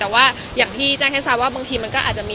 แต่แจ้งให้ทราบว่ามันก็อาจจะมี